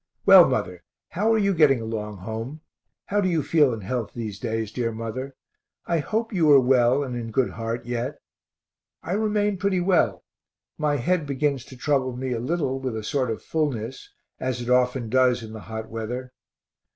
Well, mother, how are you getting along home? how do you feel in health these days, dear mother? I hope you are well and in good heart yet. I remain pretty well: my head begins to trouble me a little with a sort of fullness, as it often does in the hot weather.